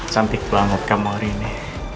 cantik banget kamar ini